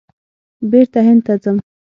بېرته هند ته ځم !